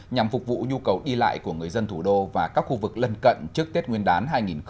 nhằm phục vụ nhu cầu đi lại của người dân thủ đô và các khu vực lân cận trước tết nguyên đán hai nghìn hai mươi